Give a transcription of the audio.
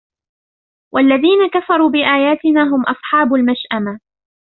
وَالَّذينَ كَفَروا بِآياتِنا هُم أَصحابُ المَشأَمَةِ